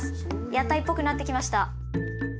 屋台っぽくなってきました。